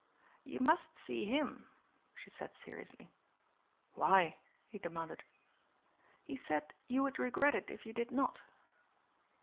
"You must see him," she said seriously. "Why?" he demanded. "He said you would regret it if you did not."